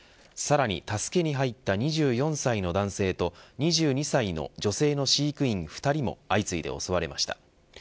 さらに助けに入った２４歳の男性と２２歳の女性の飼育員２人も相次いで襲われました。